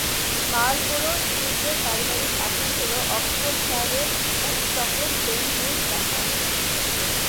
মার্লবোরোর ডিউকদের পারিবারিক আসন হল অক্সফোর্ডশায়ারের উডস্টকের বেনহেইম প্রাসাদ।